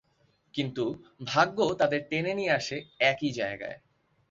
কিন্তু, ভাগ্য তাদের টেনে নিয়ে আসে একই জায়গায়।